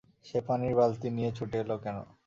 সে পানির বালতি নিয়ে ছুটে এল কেন?